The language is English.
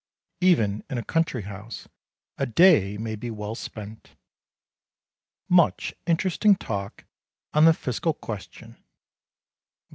Even in a country house a day may be well spent. Much interesting talk on the Fiscal question.